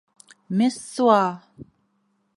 — Мессуа!